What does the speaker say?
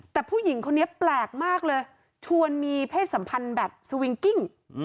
แต่ผู้หญิงคนนี้แปลกมากเลยชวนมีเพศสัมพันธ์แบบสวิงกิ้ง